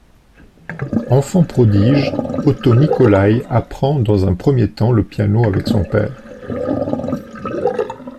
Enfant prodige, Otto Nicolai apprend dans un premier temps le piano avec son père.